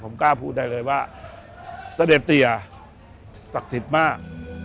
ผมกล้าพูดได้เลยว่าเสด็จเตียศักดิ์สิทธิ์มาก